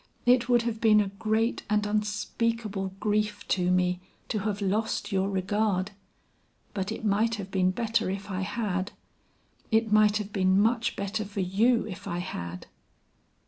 It would have been a great and unspeakable grief to me to have lost your regard, but it might have been better if I had; it might have been much better for you if I had!"